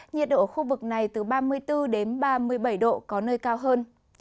nhiệt độ ở khu vực này từ ba mươi bốn đến ba mươi bảy độ có nơi cao hơn